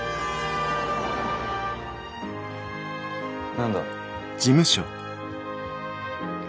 何だ？